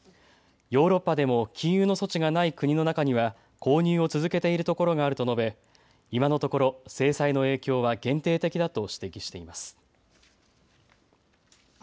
ヨーロッパでも禁輸の措置がない国の中には購入を続けているところがあると述べ、今のところ制裁の影響は限定的だと指摘しています。